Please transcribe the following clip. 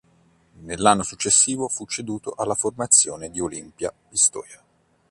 Nell'anno successivo fu ceduto alla formazione di Olimpia Pistoia.